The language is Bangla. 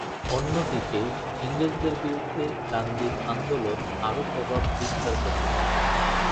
অন্যদিকে ইংরেজদের বিরুদ্ধে গান্ধীর আন্দোলন আরও প্রভাব বিস্তার করতে থাকে।